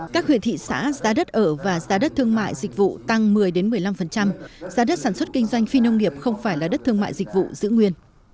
các huyện thị xã giá đất ở và giá đất thương mại dịch vụ tăng một mươi một mươi năm giá đất sản xuất kinh doanh phi nông nghiệp không phải là đất thương mại dịch vụ giữ nguyên